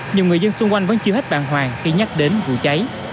nhiều người dân xung quanh vẫn chiêu hết bàn hoàng khi nhắc đến vụ cháy